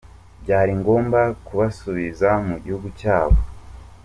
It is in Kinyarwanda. byari ngombwa kubasubiza mu gihugu cyabo.